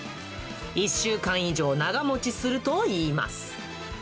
１週間以上長持ちするといいます。